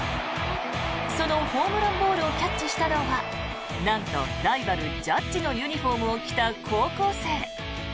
そのホームランボールをキャッチしたのはなんとライバル、ジャッジのユニホームを着た高校生。